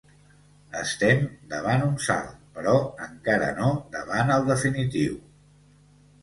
Estem davant un salt, però encara no davant el definitiu.